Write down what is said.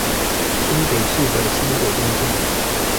新北市的輕軌路線